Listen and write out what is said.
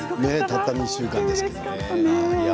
たった２週間ですけれど。